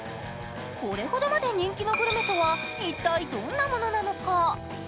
これほどまで人気のグルメとは一体どんなものなのか。